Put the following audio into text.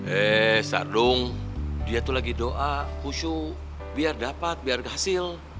eh sardung dia tuh lagi doa kusyu biar dapat biar kehasil